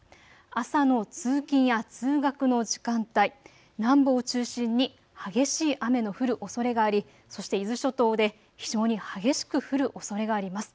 朝の通勤や通学の時間帯、南部を中心に激しい雨の降るおそれがあり、そして伊豆諸島で非常に激しく降るおそれがあります。